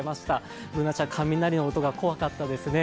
Ｂｏｏｎａちゃん、雷の音が怖かったですね。